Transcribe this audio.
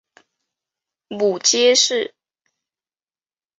母翟氏。